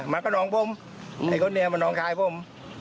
มันก็น้องผมไอ้คนนี้มันน้องชายผม